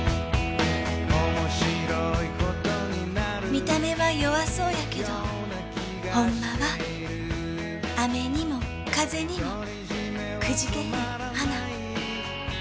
見た目は弱そうやけどほんまは雨にも風にもくじけへん花。